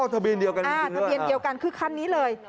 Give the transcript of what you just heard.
ทะเบียนเดียวกันจริงครับค่ะค่ะคือคันนี้เลย